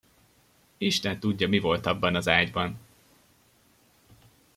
Isten tudja, mi volt abban az ágyban!